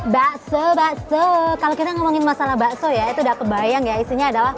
bakso bakso kalau kita ngomongin masalah bakso ya itu udah kebayang ya isinya adalah